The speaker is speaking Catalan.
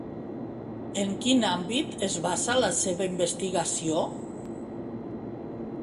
En quin àmbit es basa la seva investigació?